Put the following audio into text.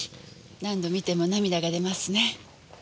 何度観ても涙が出ますね。